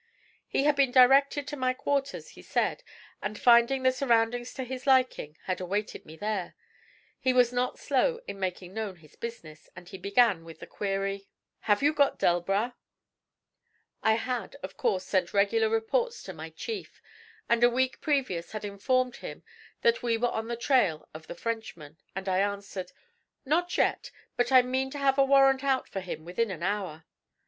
He had been directed to my quarters, he said, and finding the surroundings to his liking, had awaited me there. He was not slow in making known his business, and he began with the query: 'Have you got Delbras?' I had, of course, sent regular reports to my chief, and a week previous had informed him that we were on the trail of the Frenchman, and I answered: 'Not yet; but I mean to have a warrant out for him within an hour.'